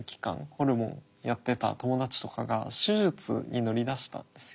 ホルモンやってた友達とかが手術に乗り出したんですよ。